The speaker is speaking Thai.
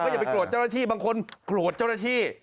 อย่าไปโกรธเจ้าหน้าที่บางคนโกรธเจ้าหน้าที่